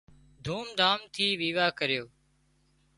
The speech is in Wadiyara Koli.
ڌام ڌُوم ٿِي ويواه ڪريو